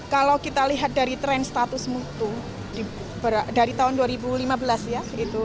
kalau kita lihat dari tren status mutu dari tahun dua ribu lima belas ya